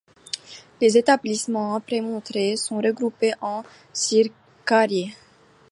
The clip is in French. Les établissements prémontrés sont regroupés en circaries.